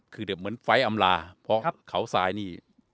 คือเหมือนไฟล์อำลาเพราะเขาทรายนี่